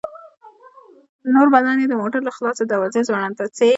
نور بدن يې د موټر له خلاصې دروازې ځوړند و.